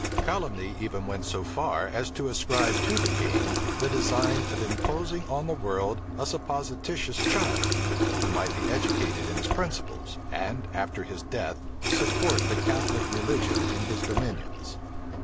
Calumny even went so far as to ascribe to the king the design of imposing on the world a supposititious child, who might be educated in his principles, and after his death support the Catholic religion in his dominions.